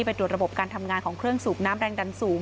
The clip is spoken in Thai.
ไปตรวจระบบการทำงานของเครื่องสูบน้ำแรงดันสูง